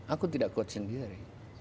aku tidak kuat sendiri